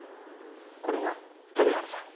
これが富治さん。